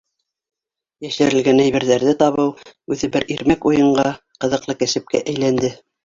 Йәшерелгән әйберҙәрҙе табыу үҙе бер ирмәк уйынға, ҡыҙыҡлы кәсепкә әйләнде.